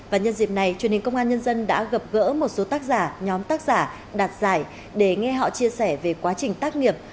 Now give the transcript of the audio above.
và nhân dịp này truyền hình công an nhân dân đã gặp gỡ một số tác giả nhóm tác giả đạt giải để nghe họ chia sẻ về quá trình tác nghiệp